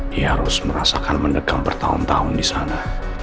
dia harus merasakan mendekam bertahun tahun di sana